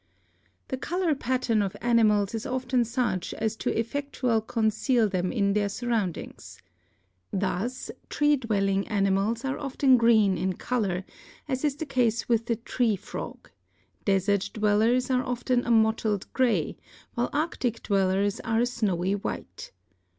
The color pattern of animals is often such as to effectu all conceal them in their surroundings. Thus tree dwell ing animals are often green in color, as is the case with the tree frog ; desert dwellers are often a mottled gray, while arctic dwellers are a snowy white.